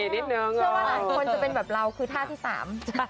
นิดนึงเชื่อว่าหลายคนจะเป็นแบบเราคือท่าที่สาม